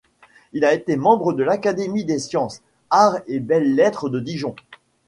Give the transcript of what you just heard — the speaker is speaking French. Il a été membre de l'académie des sciences, arts et belles-lettres de Dijon.